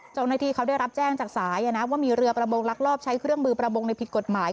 เจ้าหน้าที่เขาได้รับแจ้งจากสายว่ามีเรือประมงลักลอบใช้เครื่องมือประมงในผิดกฎหมาย